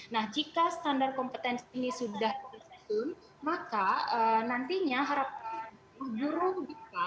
nah jika standar kompetensi ini sudah disesun maka nantinya harapkan guru bipa